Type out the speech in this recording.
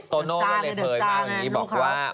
โตโน่ก็เลยเผยมาอย่างนี้บอกว่า